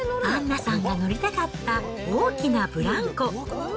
アンナさんが乗りたかった大きなブランコ。